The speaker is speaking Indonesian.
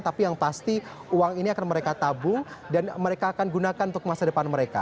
tapi yang pasti uang ini akan mereka tabung dan mereka akan gunakan untuk masa depan mereka